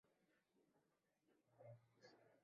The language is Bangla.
ঠিক বলেছো, এটা আমাদের কুকুর!